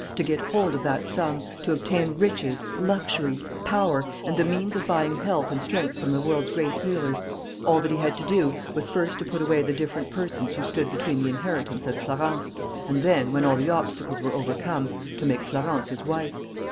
To get hold of that sum, to obtain riches, luxury, power, and the means of buying health and strength from the world's great healers, all that he had to do was first to put away the different persons who stood between the inheritance and Florence, and then, when all the obstacles were overcome, to make Florence his wife.